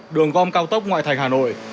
đường gom cao tốc ngoại thành hà nội